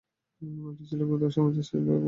এটি ছিল গোত্র সমাজের শেষ ভাগের সময়ের পর্ব।